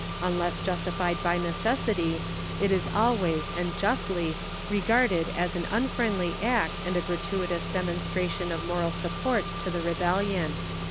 Unless justified by necessity, it is always, and justly, regarded as an unfriendly act and a gratuitous demonstration of moral support to the rebellion.